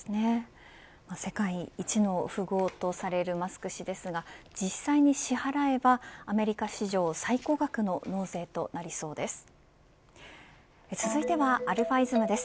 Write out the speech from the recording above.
世界一の富豪とされるマスク氏ですが実際に支払えばアメリカ史上最高額の納税となりそうです。